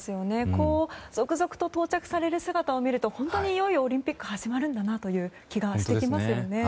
こう続々と到着される姿を見ると本当にいよいよオリンピック始まるんだなという気がしてきますよね。